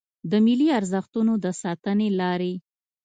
د ملي ارزښتونو د ساتنې لارې